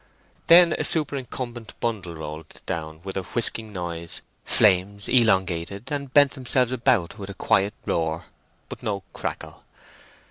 Then a superincumbent bundle rolled down, with a whisking noise; flames elongated, and bent themselves about with a quiet roar, but no crackle.